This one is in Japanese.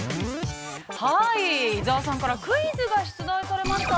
◆伊沢さんから、クイズが出題されました。